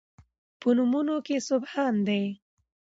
په نومونو کې سبحان دی